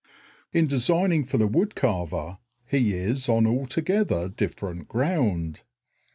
In designing for the wood carver he is on altogether different ground.